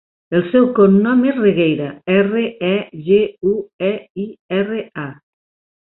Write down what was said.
El seu cognom és Regueira: erra, e, ge, u, e, i, erra, a.